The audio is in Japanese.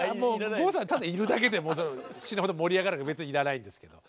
郷さんはただいるだけで死ぬほど盛り上がるから別にいらないんですけど。